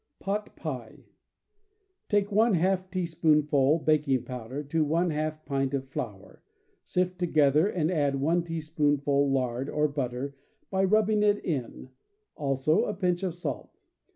Pot Pie, — Take | teaspoonful baking powder to ^ pint of flour, sift together, and add 1 teaspoonful lard or butter by rubbing it in, also a pinch of salt.